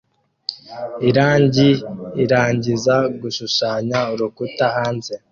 Irangi irangiza gushushanya urukuta hanze